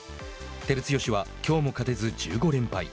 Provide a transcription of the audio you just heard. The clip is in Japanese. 照強は、きょうも勝てず、１５連敗。